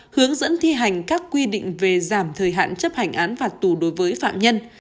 hướng dẫn thi hành các quy định về giảm thời hạn chấp hành án phạt tù đối với phạm nhân